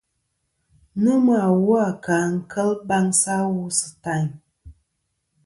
Nomɨ awu a ka kel baŋsɨ awu sɨ tayn.